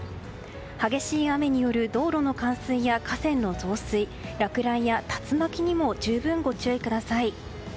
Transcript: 激しい雨による道路の冠水や河川の増水落雷や竜巻にも十分、ご注意ください。